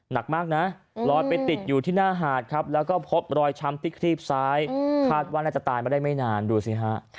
หนักมากนะลอยไปติดอยู่ที่หน้าหาดครับแล้วก็พบรอยช้ำที่ครีบซ้ายคาดว่าน่าจะตายมาได้ไม่นานดูสิฮะ